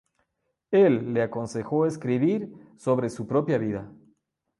Él le aconsejó escribir sobre su propia vida.